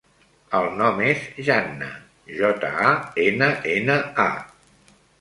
El nom és Janna: jota, a, ena, ena, a.